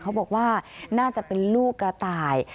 เขาบอกว่าน่าจะเป็นลูกกระต่าย